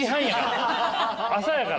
朝やから。